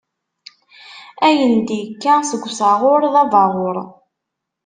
Ayen d-ikkan seg usaɣuṛ d abaɣuṛ.